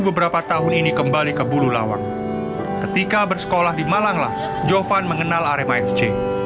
beberapa tahun ini kembali ke bulu lawang ketika bersekolah di malanglah jovan mengenal arema fc